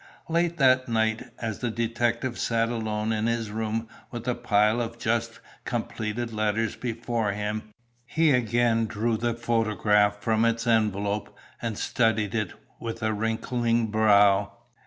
Late that night, as the detective sat alone in his room with a pile of just completed letters before him, he again drew the photograph from its envelope and studied it with wrinkling brow.